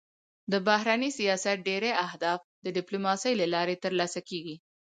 د بهرني سیاست ډېری اهداف د ډيپلوماسی له لارې تر لاسه کېږي.